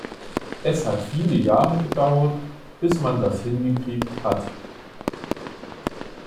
Es hat viele Jahre gedauert, bis man das hingekriegt hat.